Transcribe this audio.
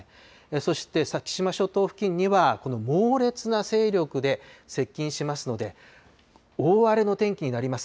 そして先島諸島付近にはこの猛烈な勢力で接近しますので、大荒れの天気になります。